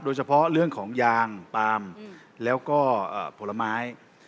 โดยเฉพาะเรื่องของยางปาล์มแล้วก็ผลไม้